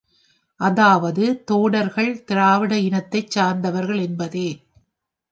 அதாவது தோடர்கள் திராவிட இனத்தைச் சார்ந்தவர்கள் என்பதே.